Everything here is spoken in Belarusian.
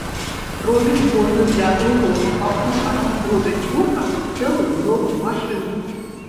Робіць кожны для другога, пакуль аж не зробяць гуртам цэлую новую машыну.